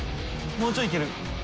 もうちょい行ける？